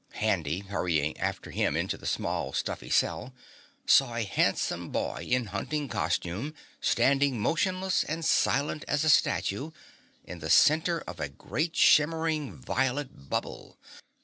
Handy, hurrying after him into the small stuffy cell, saw a handsome boy in hunting costume standing motionless and silent as a statue in the center of a great shimmering violet bubble.